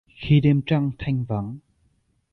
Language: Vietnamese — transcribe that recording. Khi đêm trăng thanh vắng.